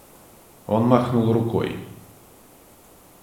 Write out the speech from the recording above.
Он махнул рукой.